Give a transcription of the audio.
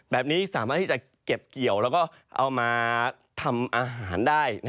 แบบนี้สามารถที่จะเก็บเกี่ยวแล้วก็เอามาทำอาหารได้